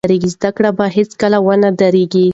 زده کړه باید هیڅکله ونه دریږي.